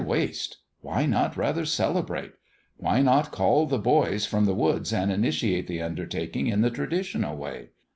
Why waste? Why not rather celebrate? Why not call the boys from the woods and initiate the undertaking in the traditional way?